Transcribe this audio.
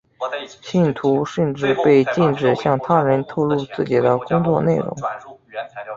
信徒甚至被禁止向他人透露自己的工作内容。